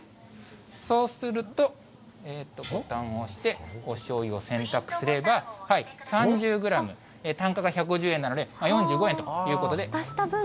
そうすると、ボタンを押して、おしょうゆを選択すれば、３０グラム、単価が１５０円なので、４５円ということで。